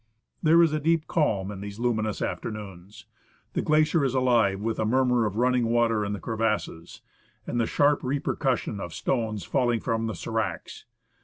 There is a deep calm in these luminous afternoons. The glacier is alive with the murmur of running water in the crevasses, and the sharp repercussion of stones falling from the s^racs.